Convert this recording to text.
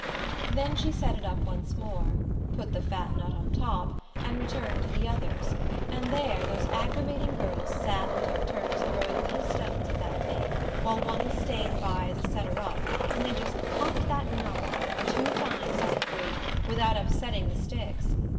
Then she set it up once more, put the fat nut on top, and returned to the others; and there those aggravating girls sat and took turns throwing little stones at that thing, while one stayed by as a setter up; and they just popped that nut off, two times out of three, without upsetting the sticks.